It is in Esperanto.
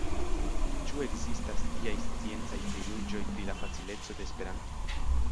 Ĉu ekzistas tiaj sciencaj prijuĝoj pri la facileco de Esperanto?